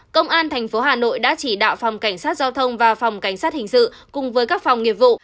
công an tp hà nội đã chỉ đạo phòng cảnh sát giao thông và phòng cảnh sát hình sự cùng với các phòng nghiệp vụ